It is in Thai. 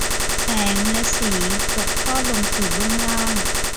แสงและสีตกทอดลงสู่เบื้องล่าง